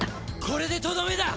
これでとどめだ！